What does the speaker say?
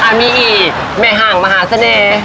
มีอีกแม่ห่างมหาเสน่ห์